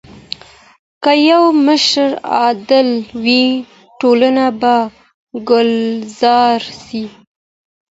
که يو مشر عادل وي ټولنه به ګلزار سي.